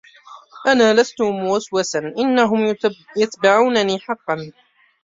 أنا لستُ مُوَسْوَساً ، أنهم يتبعونني حقّاً!